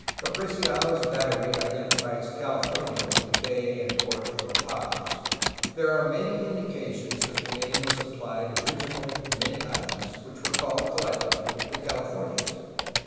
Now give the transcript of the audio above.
Though Preciado^s diary identifies '' California' ' with the bay and port of La Paz, there are many indications that the name was applied originally to many islands which were called collectively ''the Calif ornias."